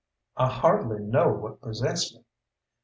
I hardly know what possessed me.